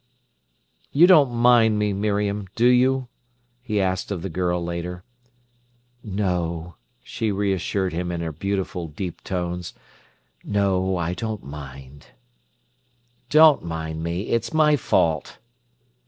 "You don't mind me, Miriam, do you?" he asked of the girl later. "No," she reassured him in her beautiful deep tones—"no, I don't mind." "Don't mind me; it's my fault."